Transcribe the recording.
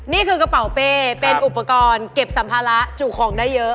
นี่คือกระเป๋าเป้เป็นอุปกรณ์เก็บสัมภาระจุของได้เยอะ